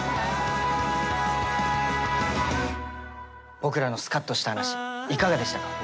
僕らのスカッとした話いかがでしたか？